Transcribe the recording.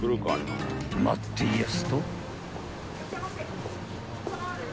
［待っていやすと］